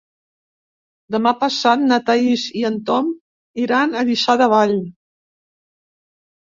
Demà passat na Thaís i en Tom iran a Lliçà de Vall.